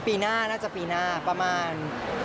ปีหน้าน่าจะปีหน้าประมาณ